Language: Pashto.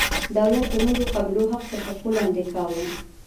دولت د نورو قبیلو حق تر پښو لاندې کاوه.